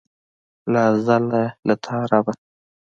له ازله له تا ربه.